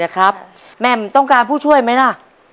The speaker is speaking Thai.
ขอผู้ช่วยค่ะ